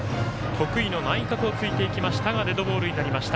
得意の内角をついていきましたがデッドボールになりました。